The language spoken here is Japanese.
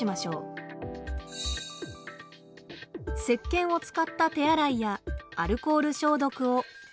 せっけんを使った手洗いやアルコール消毒をこまめに。